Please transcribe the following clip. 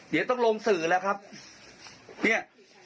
เดี๋ยวต้องลงสื่อแล้วครับเนี่ย